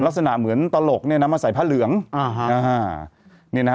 ลักษณะเหมือนตลกเนี้ยนะมาใส่พระเหลืองอ่าฮะนี่นะฮะ